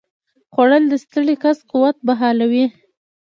خوړل د ستړي کس قوت بحالوي